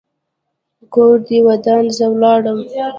کور دې ودان؛ زه ولاړم.